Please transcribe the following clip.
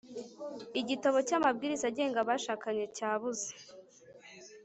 Igitabo cyamabwiriza agenga abashakanye cyabuze